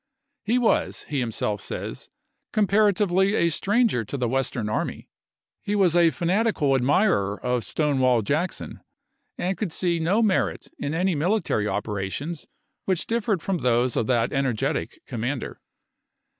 He was, he himself says, comparatively a stranger to the Western army. He was a fanatical admirer of Stonewall Jackson, and could see no merit in any military operations which differed from those of that energetic com mander.